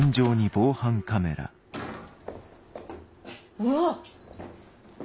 うわっ。